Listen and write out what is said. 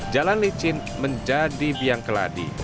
jalan licin menjadi biang keladi